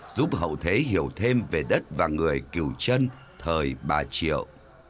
giúp hậu thế hiểu thêm về đất và người cựu chân thời bà triệu